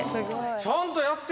ちゃんとやってるやん。